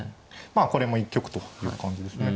まあこれも一局という感じですね。